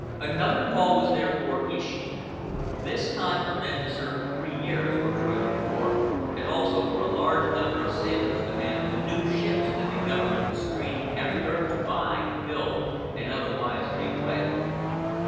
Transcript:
Another call was therefore issued, this time for men to serve three years or during the war, and also for a large number of sailors to man the new ships that the Government was straining every nerve to buy, build and otherwise make ready.